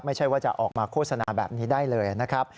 ไม่ใช่ว่าจะออกมาโฆษณาแบบนี้ได้เลยนะครับ